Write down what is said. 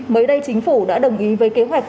mới đây chính phủ đã đồng ý với kế hoạch